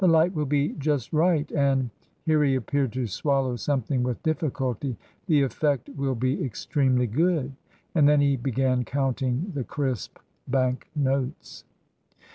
"The light will be just right, and" here he appeared to swallow something with difficulty "the effect will be extremely good." And then he began counting the crisp bank notes.